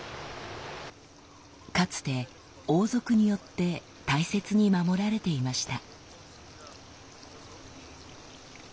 かつて王族によって大切に守られていました。